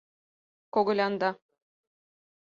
— Когылянда...